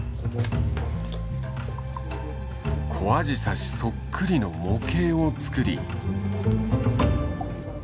コアジサシそっくりの模型をつくり。